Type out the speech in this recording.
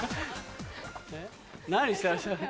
何してらっしゃる？